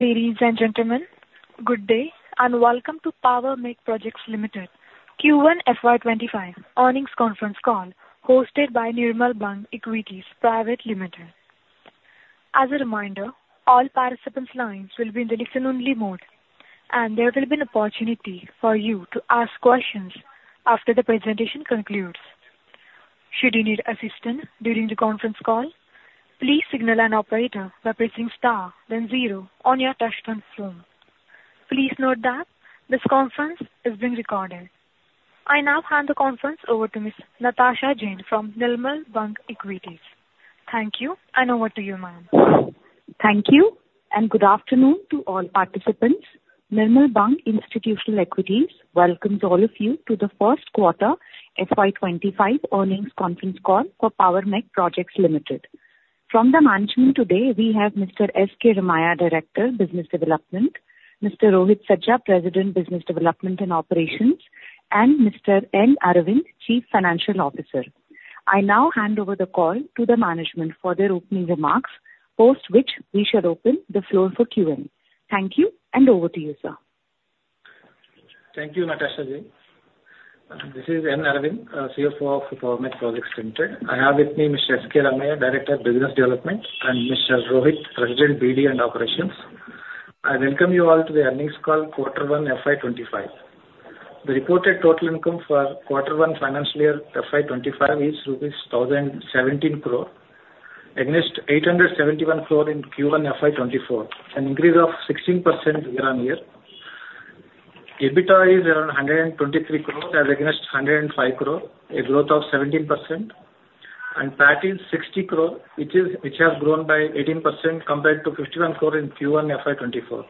Ladies and g`entlemen, good day and welcome to Power Mech Projects Limited's conference call hosted by Nirmal Bang Equities Private Limited. As a reminder, all participants' lines will be in the listen-only mode, and there will be an opportunity for you to ask questions after the presentation concludes. Should you need assistance during the conference call, please signal an operator by pressing star then zero on your touchscreen phone. Please note that this conference is being recorded. I now hand the conference over to Ms. Natasha Jain from Nirmal Bang Equities. Thank you, and over to you, ma'am. Thank you, and good afternoon to all participants. Nirmal Bang Institutional Equities welcomes all of you to the First Quarter FY25 Earnings Conference Call for Power Mech Projects Limited. From the management today, we have Mr. S. K. Ramayya, Director, Business Development, Mr. Rohit Sajja, President, Business Development and Operations, and Mr. N. Aravind, Chief Financial Officer. I now hand over the call to the management for their opening remarks, post which we shall open the floor for Q&A. Thank you, and over to you, sir. Thank you, Natasha Jain. This is N. Aravind, CFO of Power Mech Projects Limited. I have with me Mr. S. K. Ramayya, Director, Business Development, and Mr. Rohit, President, BD and Operations. I welcome you all to the earnings call quarter one FY25. The reported total income for quarter one financial year FY25 is rupees 1,017 crore, against 871 crore in Q1 FY24, an increase of 16% year-on-year. EBITDA is around 123 crore, against 105 crore, a growth of 17%, and PAT is 60 crore, which has grown by 18% compared to 51 crore in Q1 FY24.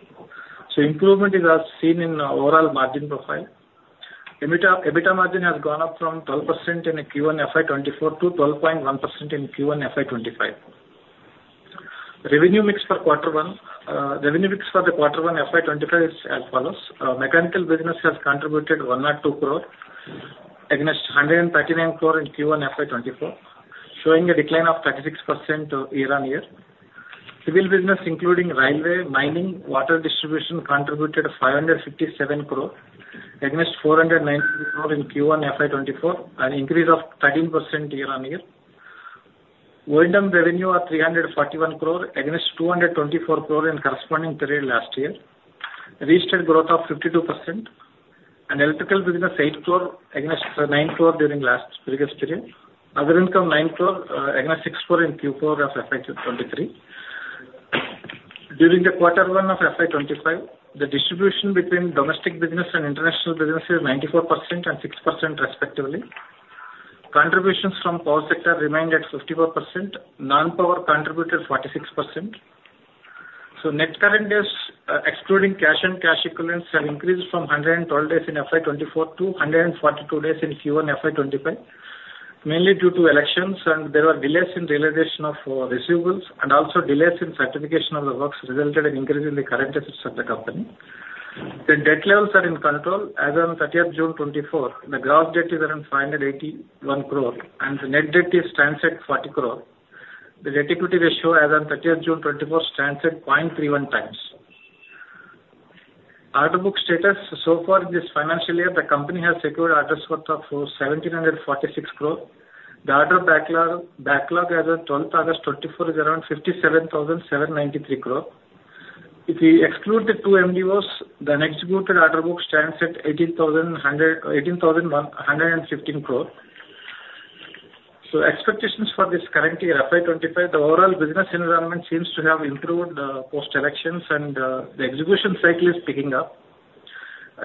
So, improvement is as seen in the overall margin profile. EBITDA margin has gone up from 12% in Q1 FY24 to 12.1% in Q1 FY25. Revenue mix for the quarter one FY25 is as follows: Mechanical business has contributed 102 crore, against 139 crore in Q1 FY24, showing a decline of 36% year-on-year. Civil business, including railway, mining, water distribution, contributed 557 crore, against 490 crore in Q1 FY24, an increase of 13% year-on-year. Windmill revenue of 341 crore, against 224 crore in corresponding period last year. Registered growth of 52%. And electrical business, 8 crore, against 9 crore during last previous period. Other income, 9 crore, against 6 crore in Q4 of FY23. During the quarter one of FY25, the distribution between domestic business and international business is 94% and 6% respectively. Contributions from power sector remained at 54%. Non-power contributed 46%. Net current days, excluding cash and cash equivalents, have increased from 112 days in FY24 to 142 days in Q1 FY25, mainly due to elections, and there were delays in realization of receivables, and also delays in certification of the works resulted in increasing the current assets of the company. The debt levels are in control. As of 30 June 2024, the gross debt is around 581 crore, and the net debt is 40 crore. The debt-equity ratio, as of 30 June 2024, is 0.31 times. Order book status, so far in this financial year, the company has secured orders worth of 1,746 crore. The order backlog as of 12 August 2024 is around 57,793 crore. If we exclude the two MDOs, the non-MDO order book stands at 18,115 crore. Expectations for this current year FY25, the overall business environment seems to have improved post-elections, and the execution cycle is picking up.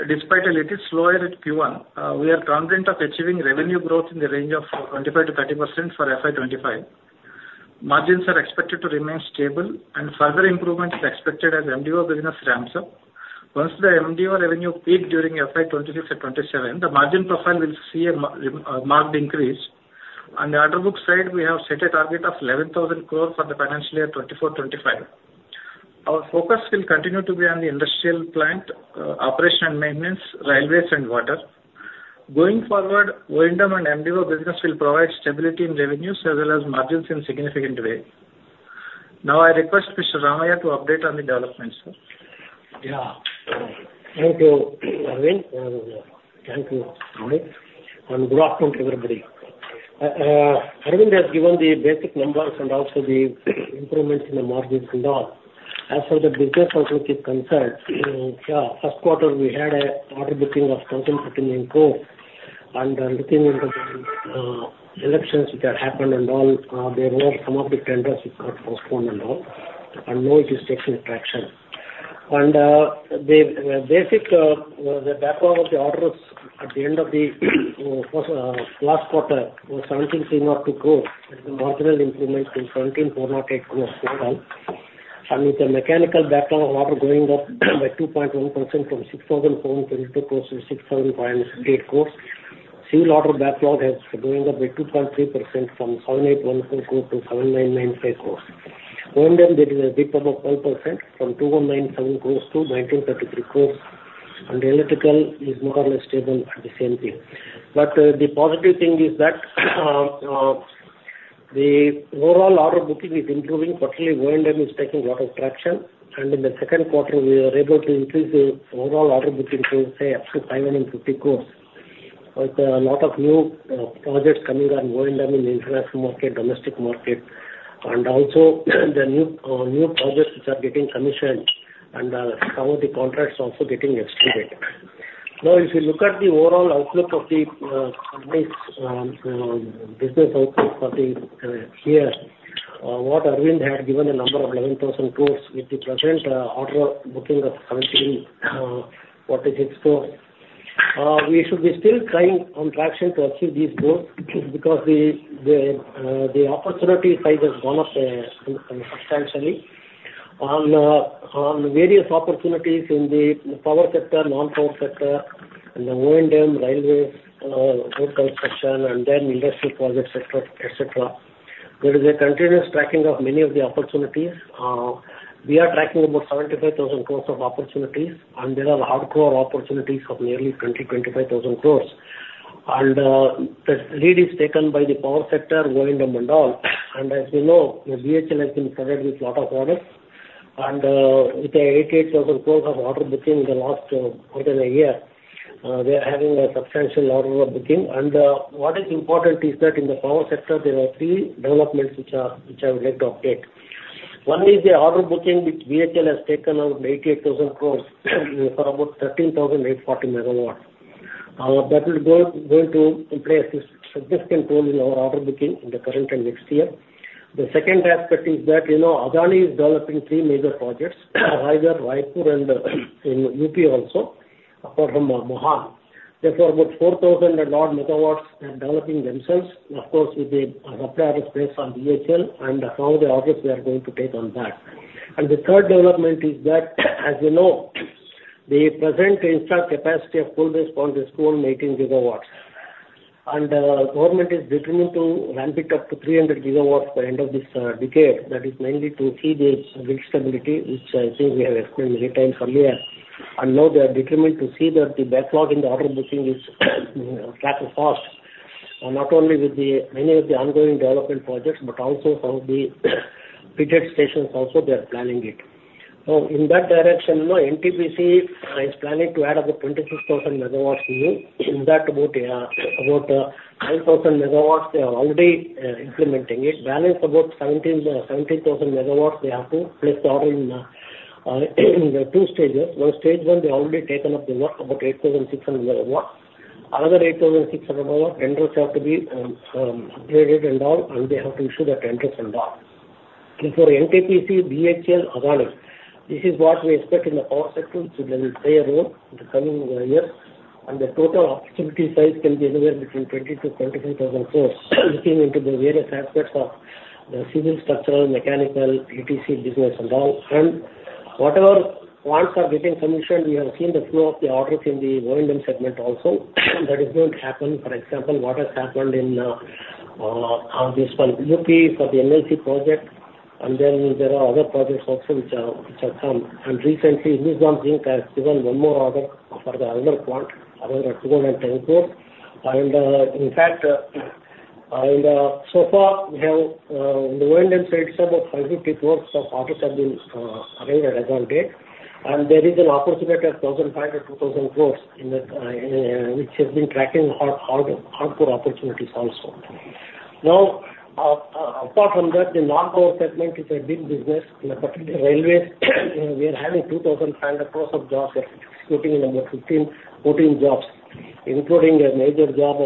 Despite a little slow year at Q1, we are confident of achieving revenue growth in the range of 25%-30% for FY25. Margins are expected to remain stable, and further improvement is expected as MDO business ramps up. Once the MDO revenue peaked during FY26 and FY27, the margin profile will see a marked increase. On the order book side, we have set a target of 11,000 crore for the financial year 2024-2025. Our focus will continue to be on the industrial plant operation and maintenance, railways, and water. Going forward, windmill and MDO business will provide stability in revenues as well as margins in a significant way. Now, I request Mr. Ramayya to update on the developments. Yeah. Thank you, Aravind. Thank you, Rohit. And good afternoon to everybody. Aravind has given the basic numbers and also the improvements in the margins and all. As for the business outlook is concerned, yeah, first quarter we had an order booking of 1,014 crore, and looking into the elections that happened and all, there were some of the tenders which got postponed and all. And now it is taking traction. And the basic backlog of the orders at the end of the last quarter was 1,732 crore, with an ordinal improvement to 1,408 crore overall. And with the mechanical backlog of orders going up by 2.1% from 6,422 crores to 6,558 crores, civil order backlog has gone up by 2.3% from 7,814 crores to 7,995 crores. Windmill, there is a dip of 12% from 2,197 crores to 1,933 crores. And the electrical is more or less stable at the same thing. But the positive thing is that the overall order booking is improving. Quarterly, windmill is taking a lot of traction. And in the second quarter, we were able to increase the overall order booking to, say, up to 550 crores. With a lot of new projects coming on windmill in the international market, domestic market, and also the new projects which are getting commissioned, and some of the contracts also getting extended. Now, if you look at the overall outlook of the company's business outlook for the year, what Aravind had given a number of 11,000 crores with the present order booking of 1,746 crores, we should be still trying on traction to achieve these goals because the opportunity size has gone up substantially. On various opportunities in the power sector, non-power sector, and the windmill, railways, road construction, and then industrial projects, etc., there is a continuous tracking of many of the opportunities. We are tracking about 75,000 crores of opportunities, and there are hardcore opportunities of nearly 20,000 to 25,000 crores, and the lead is taken by the power sector, windmill, and all. And as we know, BHEL has been provided with a lot of orders, and with the 88,000 crores of order booking in the last more than a year, we are having a substantial order booking. And what is important is that in the power sector, there are three developments which I would like to update. One is the order booking which BHEL has taken out 88,000 crores for about 13,840 megawatts. That is going to play a significant role in our order booking in the current and next year. The second aspect is that Adani is developing three major projects, Raigarh, Raipur, and UP also, apart from Mahan. Therefore, about 4,000 megawatts they are developing themselves, of course, with the supply orders placed on BHEL, and some of the orders we are going to take on that. The third development is that, as you know, the present installed capacity of coal-based power is 218 gigawatts. The government is determined to ramp it up to 300 gigawatts by the end of this decade. That is mainly to see the grid stability, which I think we have explained many times earlier. Now they are determined to see that the backlog in the order booking is tackled fast, not only with many of the ongoing development projects, but also some of the pithead stations also they are planning it. Now, in that direction, NTPC is planning to add about 26,000 megawatts new. In that, about 5,000 megawatts, they are already implementing it. Balance about 17,000 megawatts they have to place the order in the two stages. For stage one, they have already taken up the work, about 8,600 megawatts. Another 8,600 megawatts tenders have to be upgraded and all, and they have to issue the tenders and all. And for NTPC, BHEL, Adani, this is what we expect in the power sector to play a role in the coming year. And the total opportunity size can be anywhere between 20,000-25,000 crore, looking into the various aspects of the civil, structural, mechanical, ETC business and all. And whatever ones are getting commissioned, we have seen the flow of the orders in the windmill segment also. That is going to happen, for example, what has happened in UP for the NLC project, and then there are other projects also which have come. And recently, Nizam Energy has given one more order for the another plant, INR 210 crores. And in fact, so far, we have on the windmill side, about INR 550 crores of orders have been arranged at the current date. And there is an opportunity of 1,500 to 2,000 crores, which has been tracking hardcore opportunities also. Now, apart from that, the non-core segment is a big business. In particular, railways, we are having 2,500 crores of jobs executing in about 15, 14 jobs, including a major job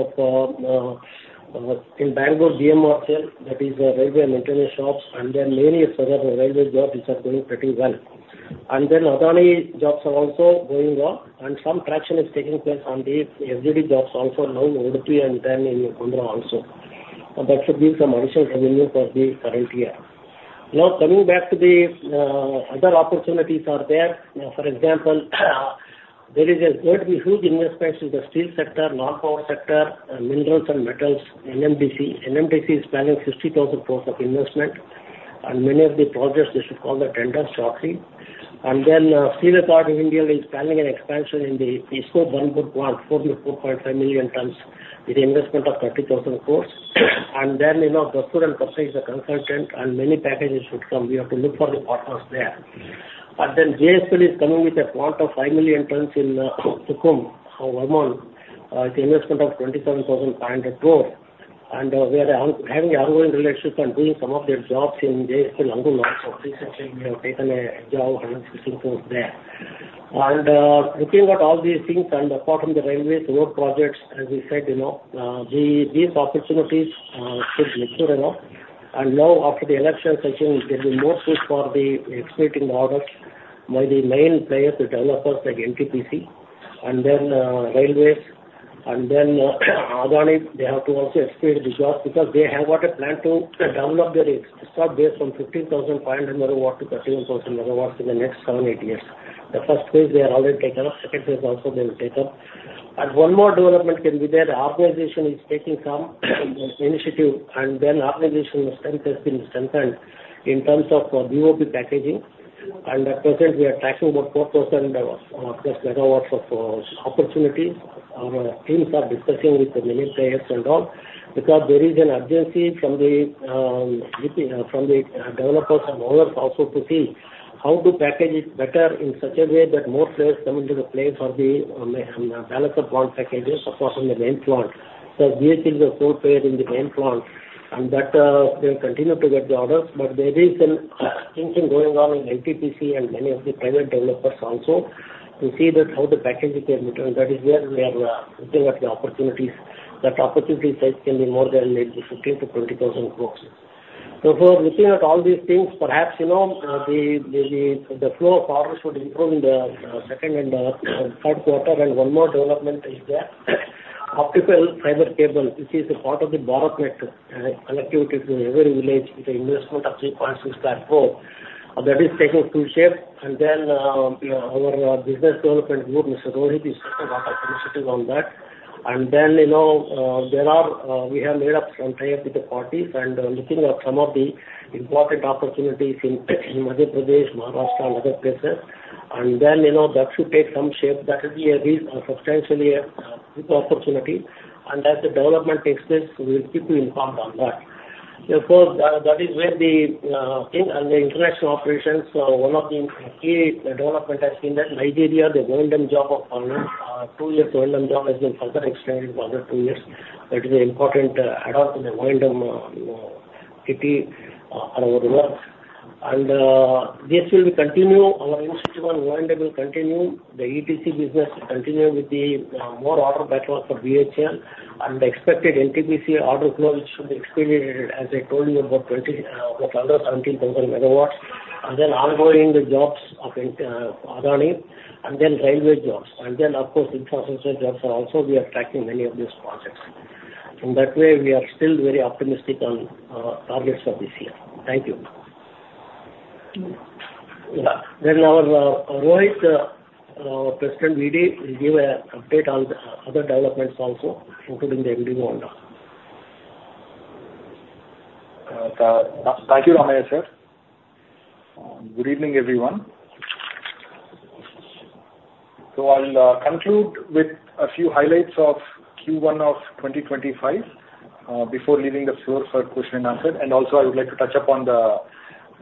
in Bangalore BMRCL, that is railway infrastructure jobs. And there are many further railway jobs which are going pretty well. And then Adani jobs are also going on, and some traction is taking place on the FGD jobs also now, Udupi and then in Gondia also. That should be some additional revenue for the current year. Now, coming back to the other opportunities out there, for example, there is going to be huge investments in the steel sector, non-power sector, minerals and metals, NMDC. NMDC is planning 60,000 crores of investment, and many of the projects, they should call the tenders shortly. And then Steel Authority of India is planning an expansion in the East Coast Burnpur plant for 4.5 million tons with an investment of 30,000 crores. And then in M.N. Dastur & Co is a consultant, and many packages should come. We have to look for the partners there. And then JSPL is coming with a plant of five million tons in Angul with an investment of INR 27,500 crores. And we are having ongoing relationships and doing some of their jobs in JSPL Angul also. Recently, we have taken a job of INR 160 crores there. And looking at all these things, and apart from the railways, road projects, as we said, these opportunities should mature enough. And now, after the election season, there will be more push for the expediting the orders by the main players, the developers like NTPC, and then railways. And then Adani, they have to also expedite the jobs because they have got a plan to develop their stock base from 15,500 megawatts to 31,000 megawatts in the next seven, eight years. The first phase they are already taken up. Second phase also they will take up. And one more development can be there. The organization is taking some initiative, and then organization strength has been strengthened in terms of BOP packaging, and at present, we are tracking about 4,000 megawatts of opportunities. Our teams are discussing with the many players and all because there is an urgency from the developers and owners also to see how to package it better in such a way that more players come into the play for the balance of plant packages, apart from the main plant, so BHEL is a sole player in the main plant and that they will continue to get the orders, but there is an extension going on in NTPC and many of the private developers also to see that how the packaging can be done. That is where we are looking at the opportunities. That opportunity size can be more than 15,000-20,000 crores. So looking at all these things, perhaps the flow of orders would improve in the second and third quarter. And one more development is the optical fiber cable, which is a part of the BharatNet connectivity to every village with an investment of 3.65 crores. That is taking full shape. And then our business development group, Mr. Rohit, is taking a lot of initiative on that. And then there are we have made up some time with the parties and looking at some of the important opportunities in Madhya Pradesh, Maharashtra, and other places. And then that should take some shape. That will be a substantially big opportunity. And as the development takes place, we will keep you informed on that. Therefore, that is where the thing and the international operations. One of the key developments has been that Nigeria, the two-year windmill job has been further extended for another two years. That is an important add-on to the windmill activity and our work. And this will continue. Our initiative on windmill will continue. The ETC business will continue with more order backlog for BHEL. And the expected NTPC order flow, which should be expedited, as I told you, about 17,000 megawatts. And then the ongoing jobs of Adani. And then railway jobs. And then, of course, infrastructure jobs are also. We are tracking many of these projects. In that way, we are still very optimistic on targets for this year. Thank you. Then our Rohit, our president of BD, will give an update on other developments also, including the MDO and all. Thank you, Ramayya sir. Good evening, everyone. So I'll conclude with a few highlights of Q1 of 2025 before leaving the floor for question and answer. And also, I would like to touch upon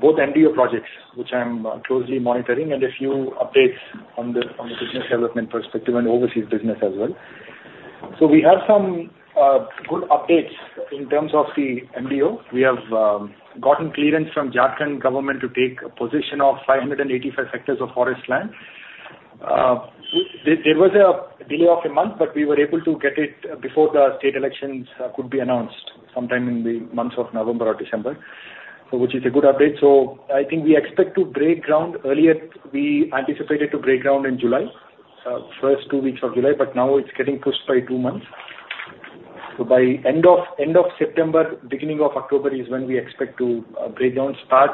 both MDO projects, which I'm closely monitoring, and a few updates on the business development perspective and overseas business as well. So we have some good updates in terms of the MDO. We have gotten clearance from Jharkhand government to take possession of 585 hectares of forest land. There was a delay of a month, but we were able to get it before the state elections could be announced sometime in the months of November or December, which is a good update. So I think we expect to break ground earlier. We anticipated to break ground in July, first two weeks of July, but now it's getting pushed by two months. By end of September, beginning of October is when we expect to break ground, start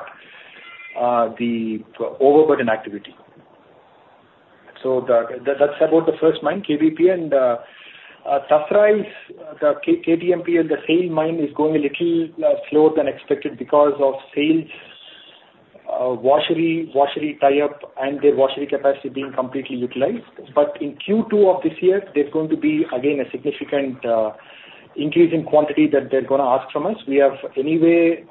the overburden activity. That's about the first mine, KBP. Tasra is the TMPL, and the SAIL mine is going a little slower than expected because of SAIL's washery tie-up, and their washery capacity being completely utilized. In Q2 of this year, there's going to be, again, a significant increase in quantity that they're going to ask from us. We have anyway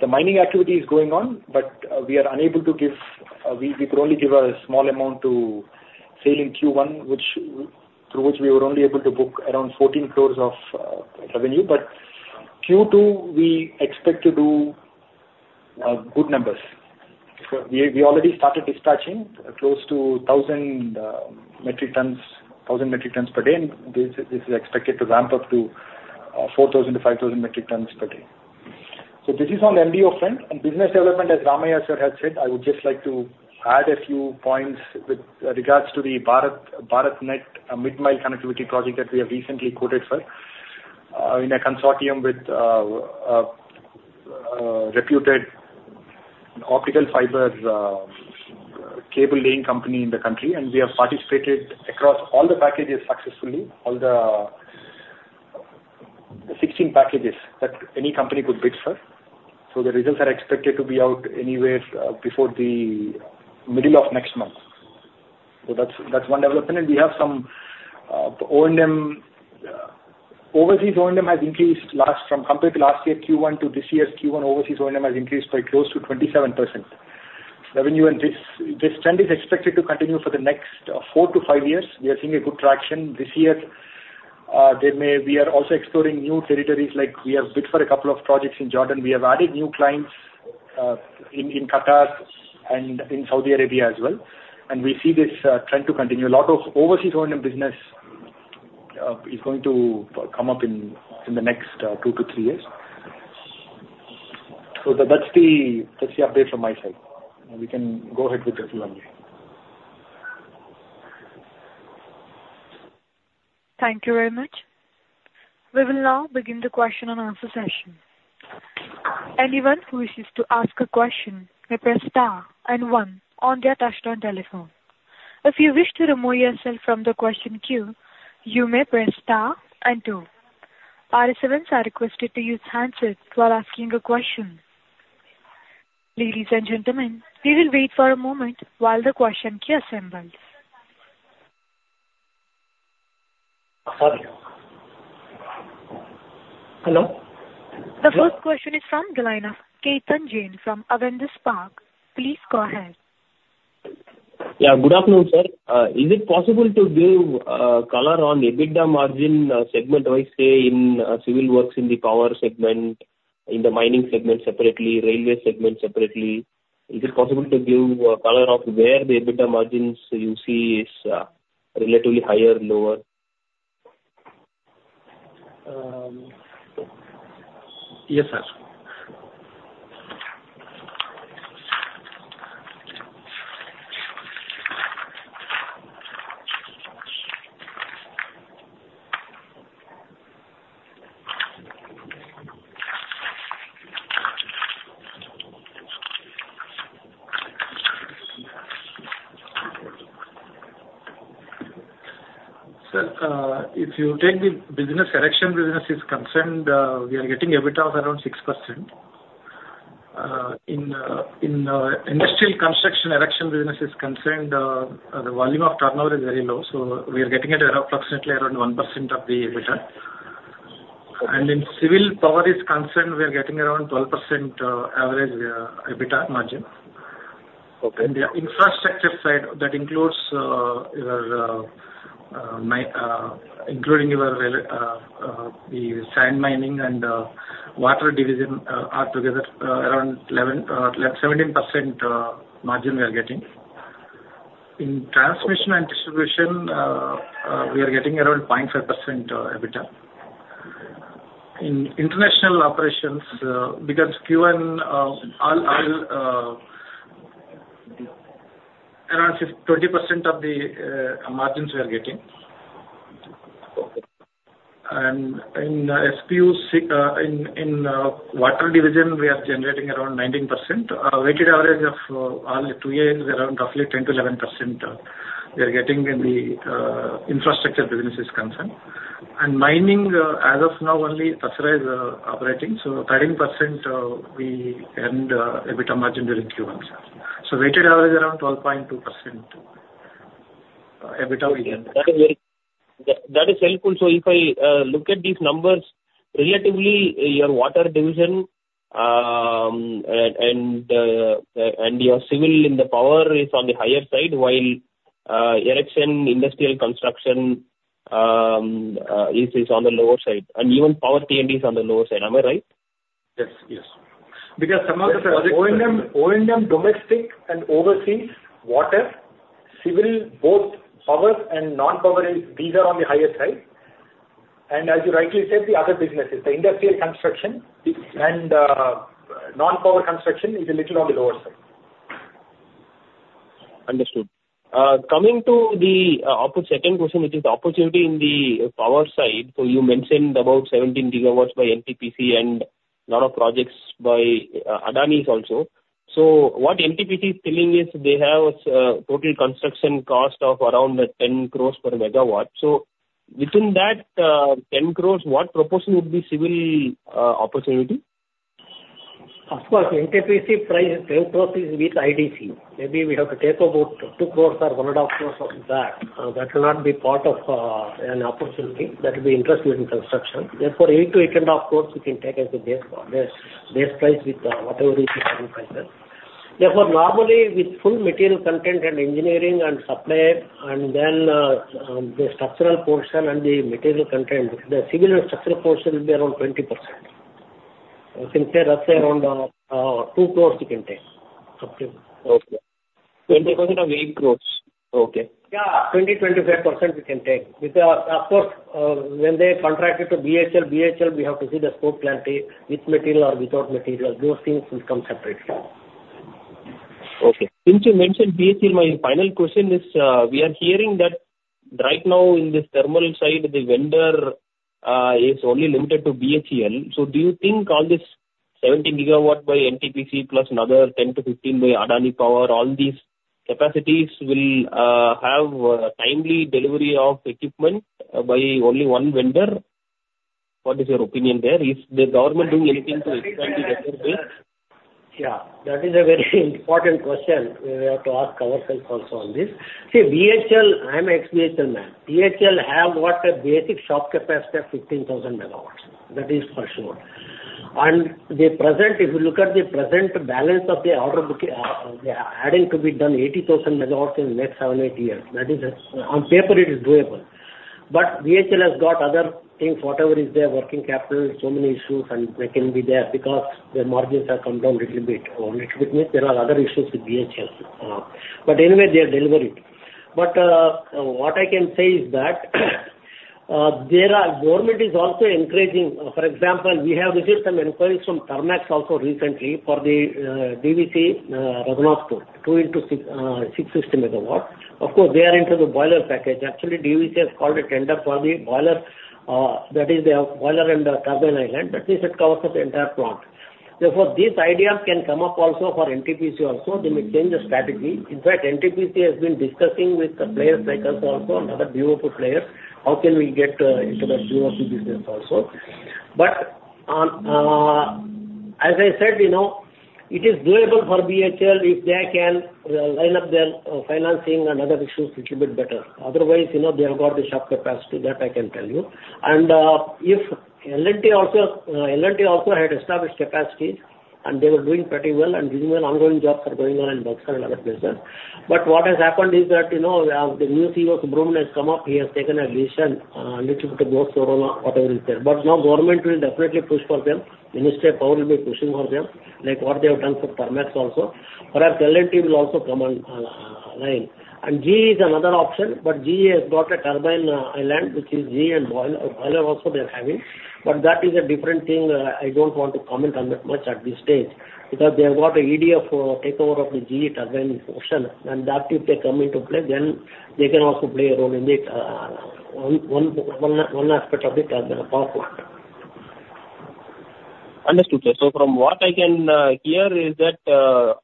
the mining activity going on, but we could only give a small amount to SAIL in Q1, through which we were only able to book around 14 crores of revenue. In Q2, we expect to do good numbers. We already started dispatching close to 1,000 metric tons per day. And this is expected to ramp up to 4,000-5,000 metric tons per day. So this is on the MDO front. And business development, as Ramayya sir has said, I would just like to add a few points with regards to the BharatNet mid-mile connectivity project that we have recently quoted for in a consortium with a reputed optical fiber cable laying company in the country. And we have participated across all the packages successfully, all the 16 packages that any company could bid for. So the results are expected to be out anywhere before the middle of next month. So that's one development. And we have some overseas O&M has increased last from compared to last year Q1 to this year's Q1, overseas O&M has increased by close to 27%. Revenue and this trend is expected to continue for the next four to five years. We are seeing a good traction. This year, we are also exploring new territories. Like we have bid for a couple of projects in Jordan. We have added new clients in Qatar and in Saudi Arabia as well. And we see this trend to continue. A lot of overseas O&M business is going to come up in the next two to three years. So that's the update from my side. We can go ahead with the Q&A. Thank you very much. We will now begin the question and answer session. Anyone who wishes to ask a question may press star and one on the touchtone telephone. If you wish to remove yourself from the question queue, you may press star and two. Participants are requested to use handsets while asking a question. Ladies and gentlemen, we will wait for a moment while the question queue assembles. Hello. The first question is from Ketan Jain from Avendus Spark. Please go ahead. Yeah, good afternoon, sir. Is it possible to give a color on the EBITDA margin segment-wise in civil works in the power segment, in the mining segment separately, railway segment separately? Is it possible to give a color of where the EBITDA margins you see is relatively higher, lower? Yes, sir. Sir, if you take the business erection businesses concerned, we are getting EBITDA of around 6%. In industrial construction, erection businesses concerned, the volume of turnover is very low. So we are getting at approximately around 1% of the EBITDA. And in civil power is concerned, we are getting around 12% average EBITDA margin. And the infrastructure side that includes your sand mining and water division altogether, around 17% margin we are getting. In transmission and distribution, we are getting around 0.5% EBITDA. In international operations, because Q1, around 20% of the margins we are getting. And in water division, we are generating around 19%. Weighted average of all two years, around roughly 10% to 11% we are getting in the infrastructure businesses concerned. And mining, as of now, only Tasra is operating. So 13% we earned EBITDA margin during Q1, sir. So weighted average around 12.2% EBITDA we get. That is helpful. So if I look at these numbers, relatively your water division and your civil in the power is on the higher side, while erection, industrial construction is on the lower side. And even power T&D is on the lower side. Am I right? Yes, yes. Because some of the projects, O&M domestic and overseas, water, civil, both power and non-power, these are on the higher side. And as you rightly said, the other businesses, the industrial construction and non-power construction is a little on the lower side. Understood. Coming to the second question, which is the opportunity in the power side. So you mentioned about 17 gigawatts by NTPC and a lot of projects by Adani also. So what NTPC is telling is they have a total construction cost of around 10 crore per megawatt. So within that 10 crore, what proportion would be civil opportunity? Of course, NTPC price is INR 10 crore with IDC. Maybe we have to take about 2 crore or 1.5 crore of that. That will not be part of an opportunity. That will be interest during construction. Therefore, 8-8.5 crore we can take as the base price with whatever is the current price. Therefore, normally with full material content and engineering and supply, and then the structural portion and the material content, the civil and structural portion will be around 20%. We can say roughly around 2 crores we can take. Okay. 20% of INR 8 crores. Okay. Yeah, 20-25% we can take. Because, of course, when they contract it to BHEL, BHEL, we have to see the scope clearly, with material or without material. Those things will come separately. Okay. Since you mentioned BHEL, my final question is, we are hearing that right now in this thermal side, the vendor is only limited to BHEL. So do you think all this 17 GW by NTPC plus another 10 to 15 by Adani Power, all these capacities will have timely delivery of equipment by only one vendor? What is your opinion there? Is the government doing anything to expand the vendor base? Yeah, that is a very important question. We have to ask ourselves also on this. See, BHEL, I'm an ex-BHEL man. BHEL have got a basic shop capacity of 15,000 megawatts. That is for sure. And if you look at the present balance of the order booking, they are adding to be done 80,000 megawatts in the next seven, eight years. That is, on paper, it is doable. But BHEL has got other things, whatever is their working capital, so many issues, and they can be there because their margins have come down a little bit. Or a little bit means there are other issues with BHEL. But anyway, they are delivering. But what I can say is that the government is also encouraging. For example, we have received some inquiries from Thermax also recently for the DVC Raghunathpur, two into 650 MW. Of course, they are into the boiler package. Actually, DVC has called a tender for the boiler. That is, they have boiler and turbine island. That means it covers the entire plant. Therefore, these ideas can come up also for NTPC also. They may change the strategy. In fact, NTPC has been discussing with players like us also, another BoP player, how can we get into the BoP business also. But as I said, it is doable for BHEL if they can line up their financing and other issues a little bit better. Otherwise, they have got the shop capacity that I can tell you. And if L&T also had established capacity, and they were doing pretty well, and ongoing jobs are going on in Buxar and other places. But what has happened is that the new CEO, Subrahmanyan, has come up. He has taken a lead and a little bit of BoP, whatever is there. But now government will definitely push for them. Ministry of Power will be pushing for them, like what they have done for Thermax also. Perhaps L&T will also come online. And GE is another option, but GE has got a turbine island, which is GE and boiler also they are having. But that is a different thing. I don't want to comment on it much at this stage because they have got an EDF takeover of the GE turbine portion. And that, if they come into play, then they can also play a role in it, one aspect of the power plant. Understood, sir. So from what I can hear is that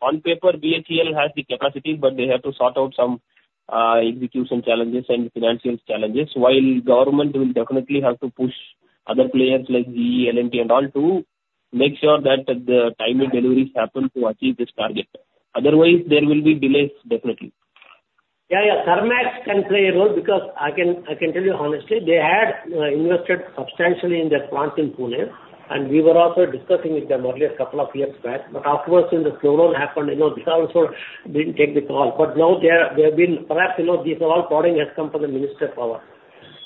on paper, BHEL has the capacity, but they have to sort out some execution challenges and financial challenges. While government will definitely have to push other players like GE, L&T, and all to make sure that the timely deliveries happen to achieve this target. Otherwise, there will be delays definitely. Yeah, yeah. Thermax can play a role because I can tell you honestly, they had invested substantially in their plant in Pune, and we were also discussing with them earlier a couple of years back. But of course, when the slowdown happened, they also didn't take the call. But now they have, perhaps, this all following has come from the Ministry of Power.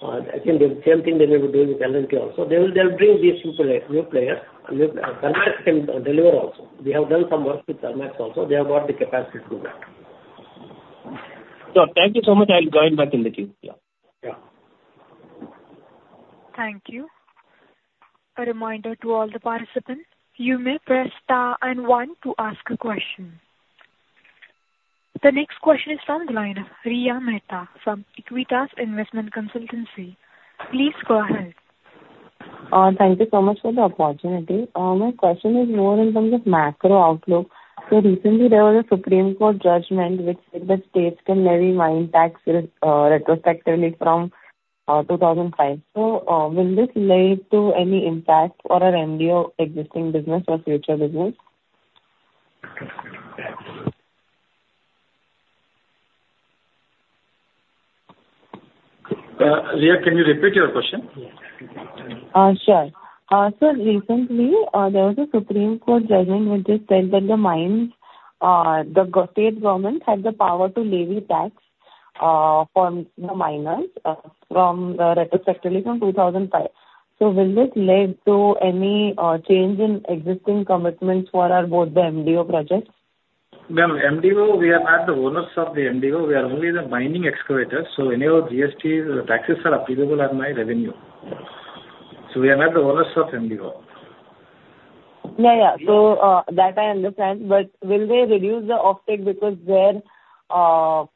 I think the same thing they will be doing with L&T also. They will bring these new players. Thermax can deliver also. We have done some work with Thermax also. They have got the capacity to do that. Sir, thank you so much. I'll join back in the queue. Yeah. Thank you. A reminder to all the participants, you may press star and one to ask a question. The next question is from the line of Riya Mehta from Aequitas Investment Consultancy. Please go ahead. Thank you so much for the opportunity. My question is more in terms of macro outlook. So recently, there was a Supreme Court judgment which said that states can levy mine tax retrospectively from 2005. So will this lead to any impact for our MDO existing business or future business? Riya, can you repeat your question? Sure. So recently, there was a Supreme Court judgment which just said that the states' government had the power to levy tax for the miners retrospectively from 2005. So will this lead to any change in existing commitments for both the MDO projects? Ma'am, MDO, we have had the ownership of the MDO. We are only the mining excavators. So any of GST taxes are applicable on my revenue. So we have had the ownership of MDO. Yeah, yeah. So that I understand. But will they reduce the offtake because their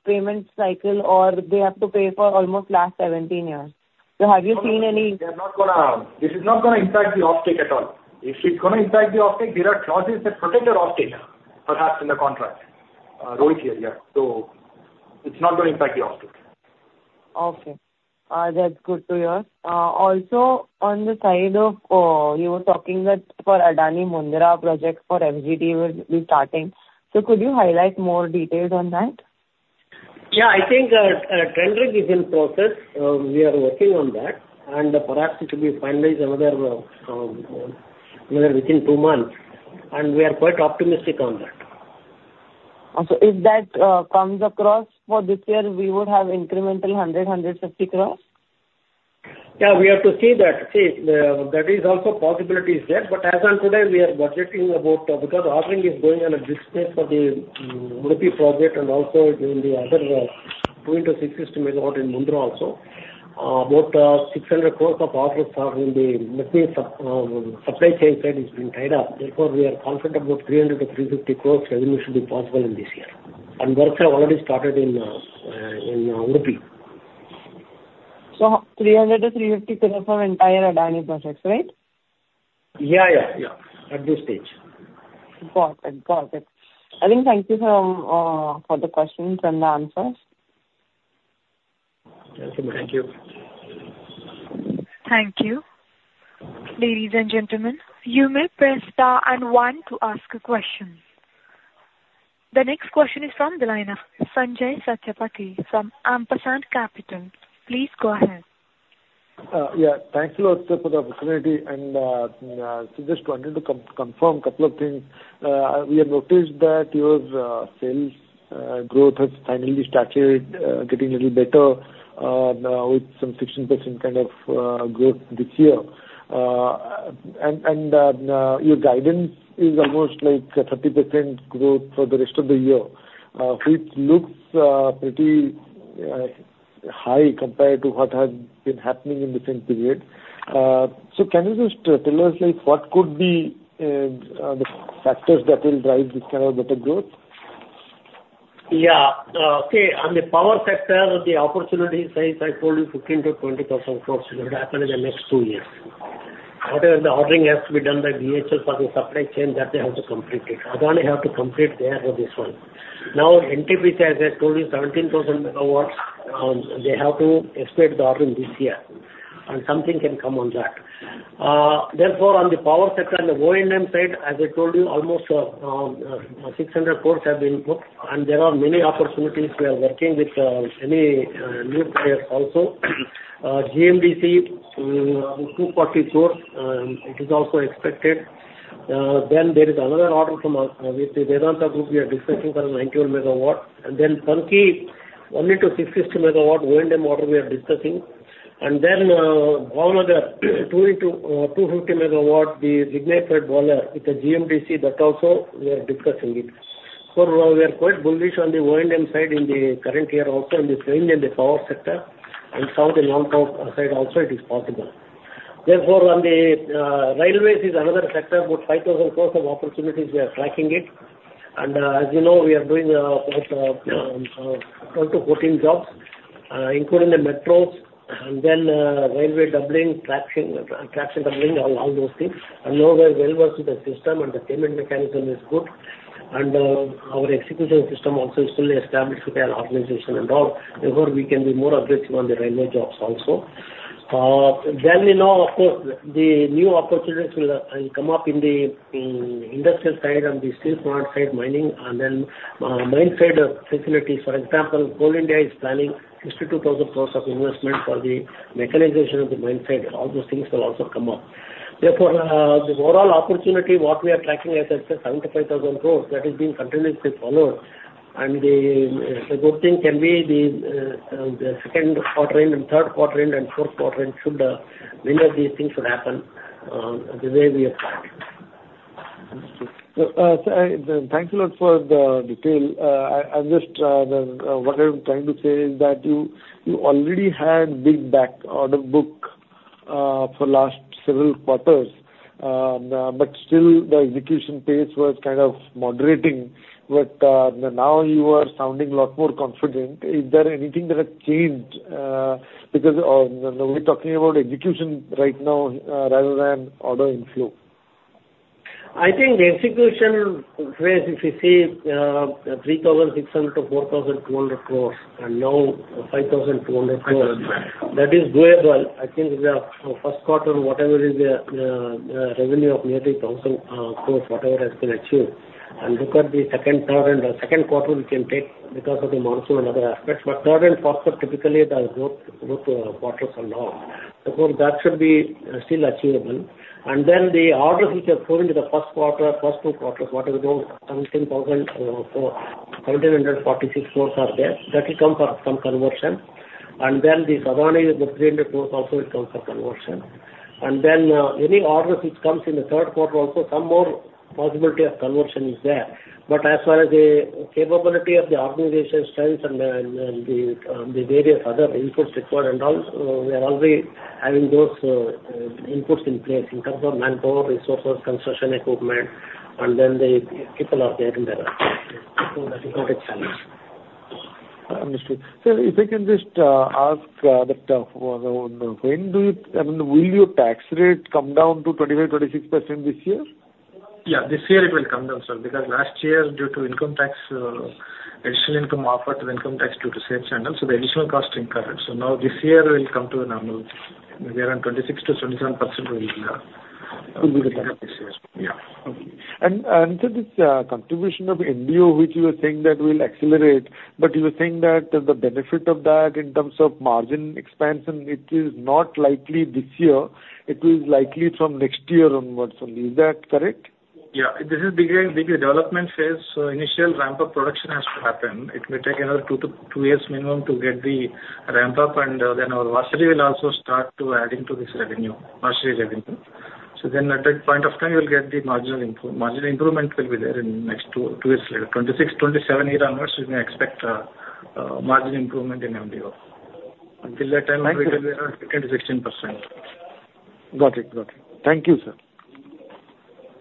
payment cycle or they have to pay for almost last 17 years? So have you seen any? This is not going to impact the offtake at all. If it's going to impact the offtake, there are clauses that protect the offtake, perhaps in the contract rule here. Yeah. So it's not going to impact the offtake. Okay. That's good to hear. Also, on the side of you were talking that for Adani Mundra project for FGD will be starting. So could you highlight more details on that? Yeah, I think trend review is in process. We are working on that, and perhaps it will be finalized within two months, and we are quite optimistic on that. Also, if that comes across for this year, we would have incremental 100-150 crores? Yeah, we have to see that. See, that is also possibilities there. But as of today, we are budgeting about because offering is going on a business for the UDP project and also in the other two into 650 MW in Mundra also, about 600 crores of offers in the supply chain side is being tied up. Therefore, we are confident about 300-350 crores revenue should be possible in this year. Works have already started in UDP. So 300 crore-350 crore for entire Adani projects, right? Yeah, yeah, yeah. At this stage. Got it. Got it. I think, thank you for the questions and the answers. Thank you. Thank you. Ladies and gentlemen, you may press star and one to ask a question. The next question is from the line of Sanjaya Satapathy from Ampersand Capital. Please go ahead. Yeah. Thanks a lot for the opportunity, and I just wanted to confirm a couple of things. We have noticed that your sales growth has finally started getting a little better with some 16% kind of growth this year, and your guidance is almost like 30% growth for the rest of the year, which looks pretty high compared to what has been happening in the same period, so can you just tell us what could be the factors that will drive this kind of better growth? Yeah. Okay. On the power sector, the opportunity side, I told you 15,000-20,000 crores will happen in the next two years. Whatever the ordering has to be done by BHEL for the supply chain, that they have to complete it. Adani have to complete their this one. Now, NTPC, as I told you, 17,000 megawatts. They have to expect the ordering this year. And something can come on that. Therefore, on the power sector, on the O&M side, as I told you, almost 600 crores have been booked. And there are many opportunities. We are working with any new players also. GMDC, 240 crores, it is also expected. Then there is another order from with Vedanta Group, we are discussing for 91 megawatts. And then Panki, 1 into 650 megawatt O&M order we are discussing. And then another 250 MW, the lignite boiler with the GMDC, that also we are discussing it. So we are quite bullish on the O&M side in the current year also in this range in the power sector. And some of the non-power side also it is possible. Therefore, on the railways is another sector, about 5,000 crores of opportunities we are tracking it. And as you know, we are doing 12 to 14 jobs, including the metros and then railway doubling, traction doubling, all those things. And now we are well versed with the system and the payment mechanism is good. And our execution system also is fully established with our organization and all. Therefore, we can be more aggressive on the railway jobs also. Then now, of course, the new opportunities will come up in the industrial side and the steel plant side mining. And then mine side facilities, for example, Coal India is planning 62,000 crores of investment for the mechanization of the mine side. All those things will also come up. Therefore, the overall opportunity what we are tracking as I said, 75,000 crores, that is being continuously followed. And the good thing can be the second quarter end and third quarter end and fourth quarter end should many of these things should happen the way we have planned. Thank you a lot for the detail. I just, what I'm trying to say is that you already had big back order book for last several quarters. But still, the execution pace was kind of moderating. But now you are sounding a lot more confident. Is there anything that has changed? Because we're talking about execution right now rather than order inflow. I think the execution phase, if you see, 3,600-4,200 crores and now 5,200 crores. That is doable. I think the first quarter, whatever is the revenue of nearly 1,000 crores, whatever has been achieved, and look at the second quarter, and the second quarter we can take because of the monsoon and other aspects, but third and fourth quarter, typically the growth quarters are long. Therefore, that should be still achievable, and then the orders which are falling in the first quarter, first two quarters, whatever those 17,000 to 1,746 crores are there, that will come for some conversion, and then the Adani with the 300 crores also will come for conversion, and then any orders which comes in the third quarter also, some more possibility of conversion is there. But as far as the capability of the organization's strength and the various other inputs required and all, we are already having those inputs in place in terms of manpower, resources, construction equipment, and then the people are there in that aspect. That is not a challenge. Understood. Sir, if I can just ask that, I mean, will your tax rate come down to 25%-26% this year? Yeah. This year it will come down, sir. Because last year, due to income tax, additional income offered to income tax due to sales channel, so the additional cost incurred. So now this year will come to a normal maybe around 26%-27% will be the target this year. Yeah. Okay, and so this contribution of MDO, which you were saying that will accelerate, but you were saying that the benefit of that in terms of margin expansion, it is not likely this year. It is likely from next year onwards. Is that correct? Yeah. This is the development phase. So initial ramp-up production has to happen. It may take another two years minimum to get the ramp-up. And then our washery will also start to add into this revenue, washery revenue. So then at that point of time, you'll get the marginal improvement. Marginal improvement will be there in the next two years later. 2026, 2027 year onwards, we may expect margin improvement in MDO. Until that time, we will be around 15%-16%. Got it. Got it. Thank you, sir.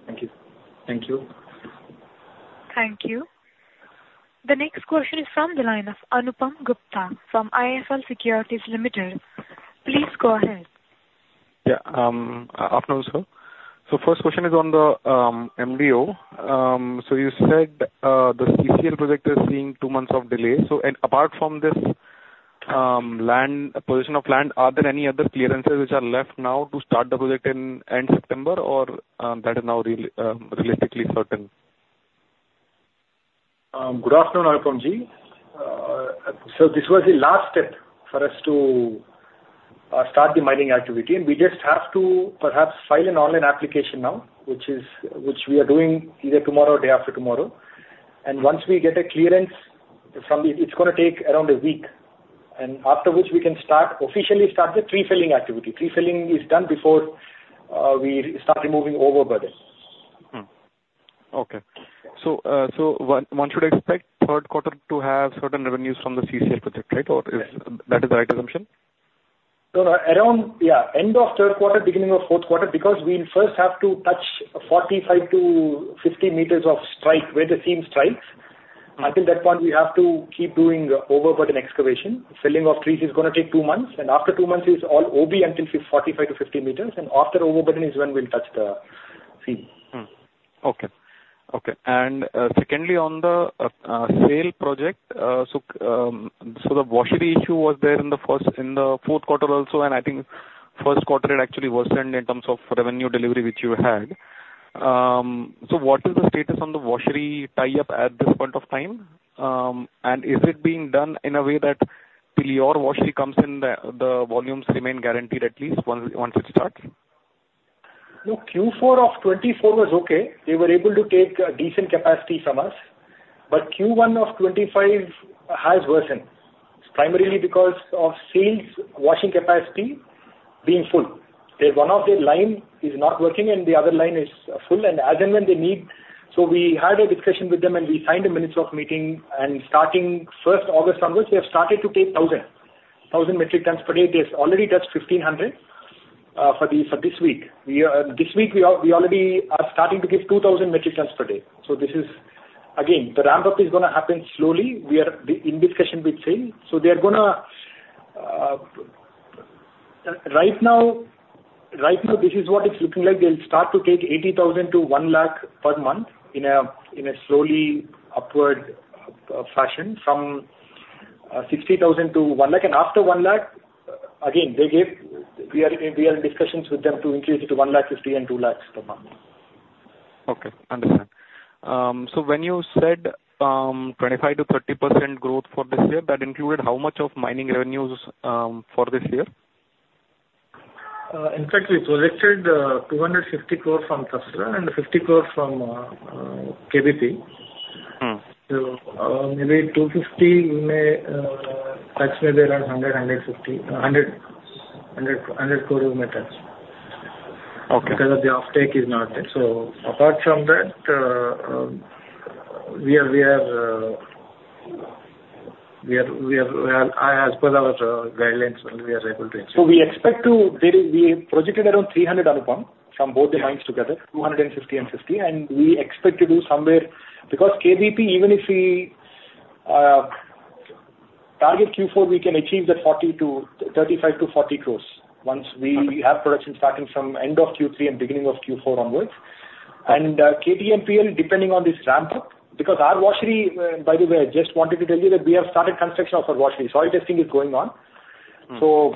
Thank you. Thank you. Thank you. The next question is from Anupam Gupta from IIFL Securities Limited. Please go ahead. Yeah. Afternoon, sir. So first question is on the MDO. So you said the CCL project is seeing two months of delay. So apart from this possession of land, are there any other clearances which are left now to start the project in end September, or that is now realistically certain? Good afternoon, Anupam. This was the last step for us to start the mining activity. We just have to perhaps file an online application now, which we are doing either tomorrow or the day after tomorrow. Once we get a clearance from it, it's going to take around a week. After which, we can officially start the pre-filling activity. Pre-filling is done before we start removing overburden. Okay. So one should expect third quarter to have certain revenues from the CCL project, right? Or that is the right assumption? Yeah. End of third quarter, beginning of fourth quarter, because we first have to touch 45-50 meters of strike where the seam strikes. Until that point, we have to keep doing overburden excavation. Felling of trees is going to take two months. And after two months, it's all OB until 45-50 meters. And after overburden is when we'll touch the seam. And secondly, on the SAIL project, so the washery issue was there in the fourth quarter also. And I think first quarter, it actually wasn't in terms of revenue delivery which you had. So what is the status on the washery tie-up at this point of time? And is it being done in a way that till your washery comes in, the volumes remain guaranteed at least once it starts? Look, Q4 of 2024 was okay. They were able to take a decent capacity from us, but Q1 of 2025 has worsened. It's primarily because of SAIL's washery capacity being full. One of the lines is not working, and the other line is full, and as and when they need, so we had a discussion with them, and we signed minutes of meeting, and starting first August onwards, we have started to take 1,000 metric tons per day. They've already touched 1,500 for this week. This week, we already are starting to give 2,000 metric tons per day, so this is again, the ramp-up is going to happen slowly. We are in discussion with SAIL, so they are going to right now, this is what it's looking like. They'll start to take 80,000 to 1,000,000 per month in a slowly upward fashion from 60,000 to 1,000,000. After 1,000,000, again, we are in discussions with them to increase it to 1,500,000 and 2,000,000 per month. Okay. Understood. So when you said 25%-30% growth for this year, that included how much of mining revenues for this year? In fact, we collected 250 crores from Tasra and 50 crores from KBP. So maybe 250 tax maybe around 100, 150, 100 crores maybe tax. Because the offtake is not there. So apart from that, we are as per our guidelines able to achieve. So we expect we projected around 300 crore, Anupam, from both the mines together, 250 and 50. And we expect to do somewhere because KBP, even if we target Q4, we can achieve that 35-40 crore once we have production starting from end of Q3 and beginning of Q4 onwards. And KTMPL, depending on this ramp-up, because our washery, by the way, I just wanted to tell you that we have started construction of our washery. Soil testing is going on. So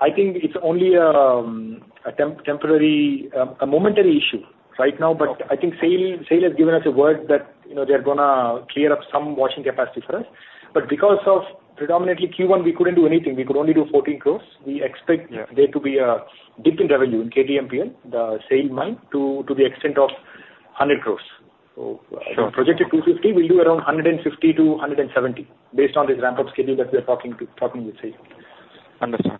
I think it is only a temporary, a momentary issue right now. But I think SAIL has given us a word that they are going to clear up some washing capacity for us. But because of predominantly Q1, we could not do anything. We could only do 14 crore. We expect there to be a dip in revenue in Tasra, the SAIL mine, to the extent of 100 crore, so projected 250 crore, we'll do around 150-170 crore based on this ramp-up schedule that we are talking with SAIL. Understood.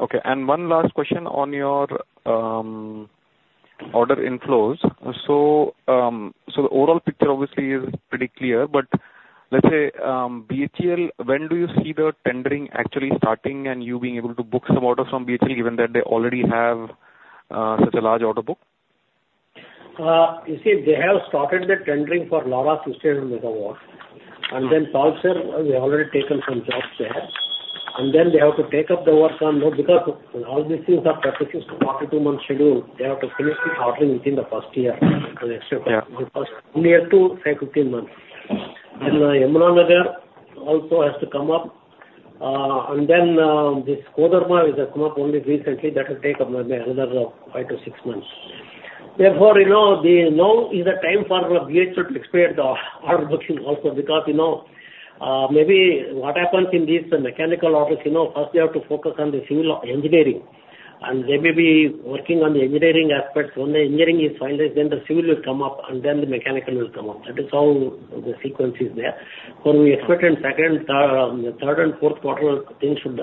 Okay. And one last question on your order inflows. So the overall picture obviously is pretty clear. But let's say BHEL, when do you see the tendering actually starting and you being able to book some orders from BHEL, given that they already have such a large order book? You see, they have started the tendering for Lara in Gadarwara. And then Talcher, they already taken some jobs there. And then they have to take up the work on because all these things are practically 42-month schedule. They have to finish this ordering within the first year. Only up to 5-15 months. Then Yamunanagar also has to come up. And then this Kodarma has come up only recently. That will take another five to six months. Therefore, now is the time for BHEL to expedite the order booking also because maybe what happens in these mechanical orders, first they have to focus on the civil engineering. And they may be working on the engineering aspects. When the engineering is finalized, then the civil will come up, and then the mechanical will come up. That is how the sequence is there. But we expect in second, third, and fourth quarter, things should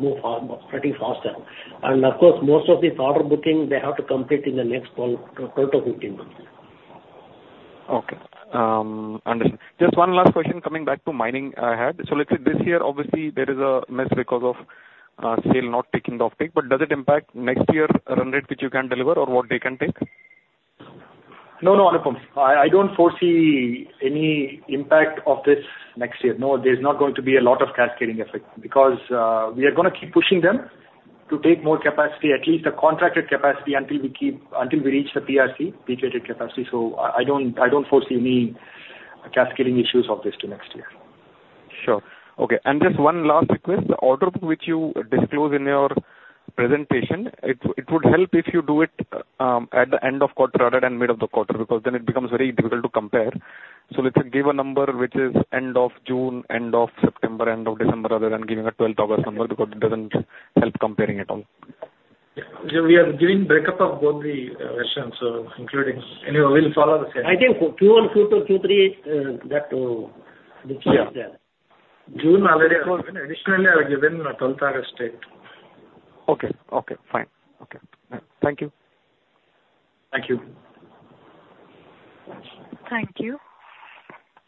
move pretty faster. And of course, most of this order booking, they have to complete in the next 12-15 months. Okay. Understood. Just one last question coming back to mining ahead. So let's say this year, obviously, there is a mess because of SAIL not taking the offtake. But does it impact next year's run rate which you can deliver or what they can take? No, no, Anupam. I don't foresee any impact of this next year. No, there's not going to be a lot of cascading effect because we are going to keep pushing them to take more capacity, at least the contracted capacity, until we reach the PRC, peak rated capacity. So I don't foresee any cascading issues of this to next year. Sure. Okay. And just one last request. The order book which you disclose in your presentation, it would help if you do it at the end of quarter and middle of the quarter because then it becomes very difficult to compare. So let's give a number which is end of June, end of September, end of December rather than giving a 12th August number because it doesn't help comparing at all. Yeah. We are giving break-up of both the versions, so including anyway, we'll follow the same. I think Q1, Q2, Q3, that will be there. June already additionally are given 12th August date. Okay. Fine. Thank you. Thank you. Thank you.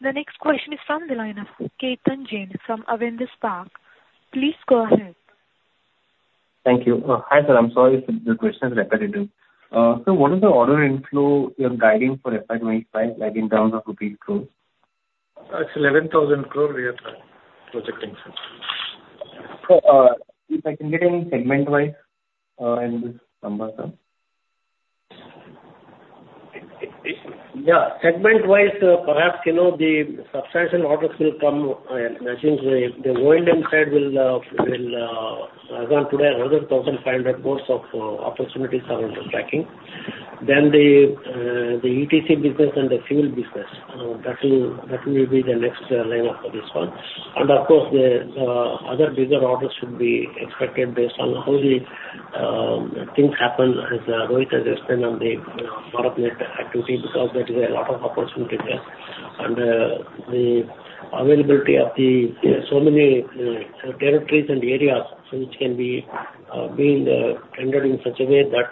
The next question is from the line of Ketan Jain from Avendus Spark. Please go ahead. Thank you. Hi sir, I'm sorry if the question is repetitive. So what is the order inflow you're guiding for FY25, like in terms of rupees crores? It's 11,000 crores we are projecting. So if I can get any segment-wise in this number, sir? Yeah. Segment-wise, perhaps the substantial orders will come as in the oil and gas we'll run today another 1,500 crores of opportunities around the Panki. Then the ETC business and the fuel business, that will be the next lineup for this one, and of course, the other bigger orders should be expected based on how the things happen as Rohit has explained on the power plant activity because there is a lot of opportunity there, and the availability of so many territories and areas which can be being tendered in such a way that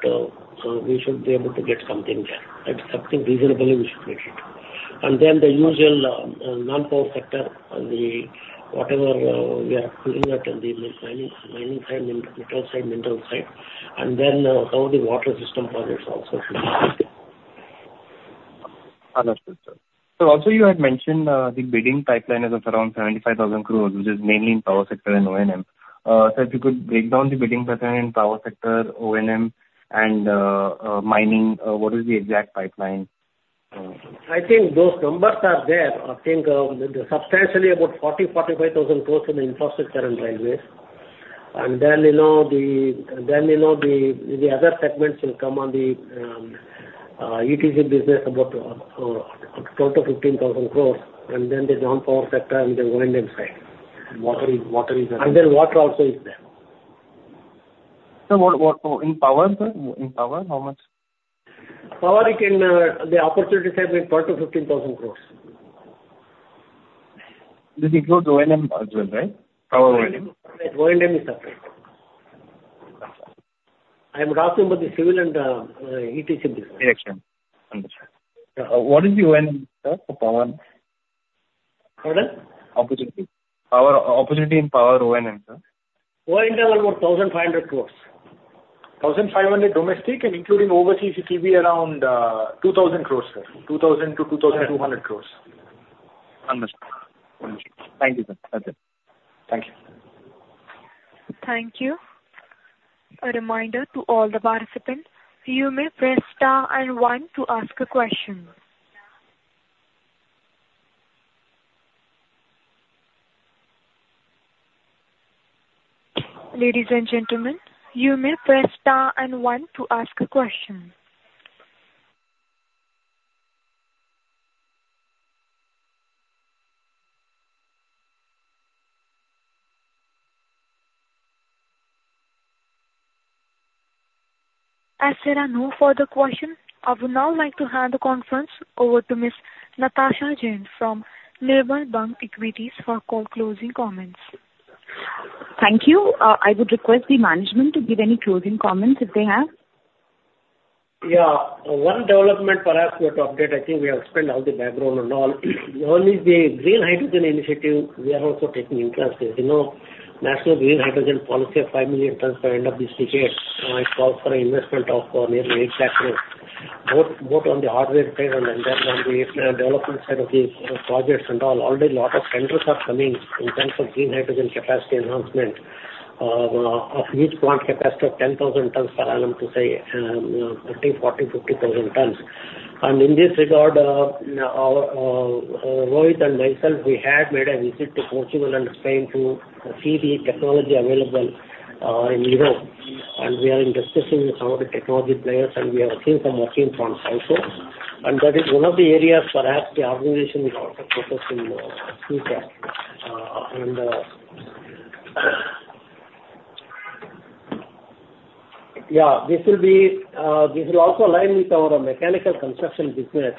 we should be able to get something there. That's something reasonably we should make it, and then the usual non-power sector and whatever we are putting at the mining side, mineral side, and then how the water system projects also should be. Understood, sir. So also you had mentioned the bidding pipeline is of around 75,000 crores, which is mainly in power sector and O&M. So if you could break down the bidding pipeline in power sector, O&M, and mining, what is the exact pipeline? I think those numbers are there. I think substantially about 40,000-45,000 crores in the infrastructure and railways. And then the other segments will come on the ETC business about 12,000-15,000 crores. And then the non-power sector and the O&M side and water is there. And then water also is there. So in power, sir, in power, how much? Power, the opportunities have been INR 12-15,000 crores. This includes O&M as well, right? Power ONM. Right. O&M is separate. I'm asking about the civil and ETC business. Yes, sir. Understood. What is the O&M, sir, for power? Pardon? Opportunity. Opportunity in power O&M, sir? O&M around 1,500 crores. 1,500 crores domestic and including overseas, it will be around 2,000 crores, sir. 2,000-2,200 crores. Understood. Thank you, sir. That's it. Thank you. Thank you. A reminder to all the participants, you may press star and one to ask a question. Ladies and gentlemen, you may press star and one to ask a question. As there are no further questions, I would now like to hand the conference over to Ms. Natasha Jain from Nirmal Bang Equities for closing comments. Thank you. I would request the management to give any closing comments if they have. Yeah. One development perhaps we have to update. I think we have explained all the background and all. Only the green hydrogen initiative, we are also taking interest. There's a national green hydrogen policy of five million tons by the end of this decade. It calls for an investment of nearly eight lakh crores, both on the hardware side and then on the development side of these projects and all. Already a lot of tenders are coming in terms of green hydrogen capacity enhancement of each plant capacity of 10,000 tons per annum to, say, I think, 40,000-50,000 tons. In this regard, Rohit and myself, we had made a visit to Portugal and Spain to see the technology available in Europe. We are in discussion with some of the technology players, and we have seen some working plans also. And that is one of the areas perhaps the organization will also focus in the future. And yeah, this will also align with our mechanical construction business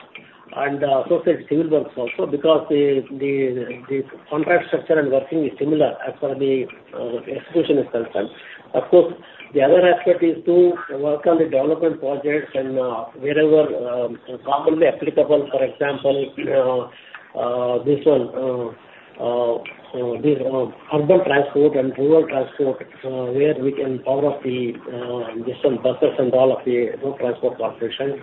and associated civil works also because the contract structure and working is similar as far as the execution is concerned. Of course, the other aspect is to work on the development projects and wherever commonly applicable, for example, this one, urban transport and rural transport where we can power up the buses and all of the road transport corporations.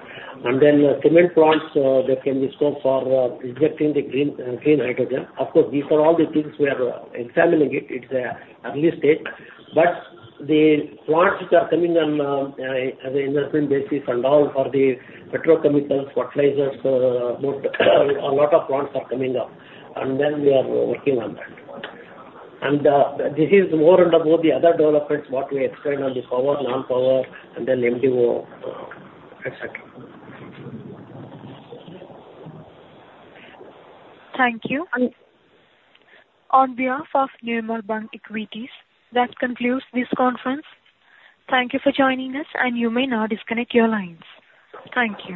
And then cement plants, there can be scope for injecting the green hydrogen. Of course, these are all the things we are examining it. It's an early stage. But the plants which are coming on the investment basis and all for the petrochemicals, fertilizers, a lot of plants are coming up. And then we are working on that. And this is more on the other developments, what we explained on the power, non-power, and then MDO, etc. Thank you. On behalf of Nirmal Bang Equities, that concludes this conference. Thank you for joining us, and you may now disconnect your lines. Thank you.